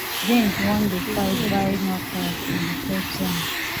Jaynes won the fight via knockout in the first round.